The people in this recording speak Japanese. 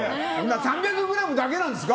３００ｇだけなんですか？